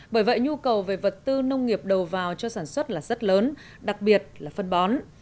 bởi vậy nhu cầu về vật tư nông nghiệp đầu vào cho sản xuất là rất lớn đặc biệt là phân bón